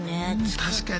確かに。